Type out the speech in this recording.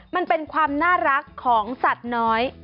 มันเป็นความน่ารักของสัตว์น้อย